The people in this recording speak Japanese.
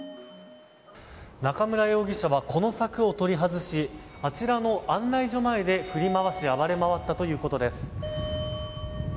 中村容疑者はこの柵を取り外しあちらの案内所前で振り回し暴れ回ったということです。